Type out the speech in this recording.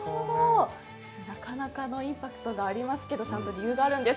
なかなかのインパクトがありますがちゃんと理由があるんです。